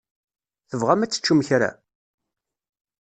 Tebɣam ad teččem kra?